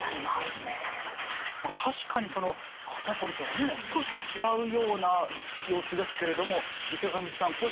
まあ確かにその肩こりとはね少し違うような様子ですけれども池上さん